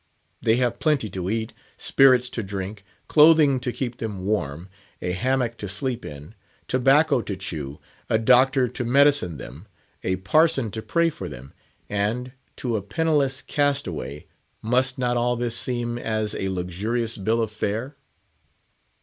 They have plenty to eat; spirits to drink; clothing to keep them warm; a hammock to sleep in; tobacco to chew; a doctor to medicine them; a parson to pray for them; and, to a penniless castaway, must not all this seem as a luxurious Bill of Fare?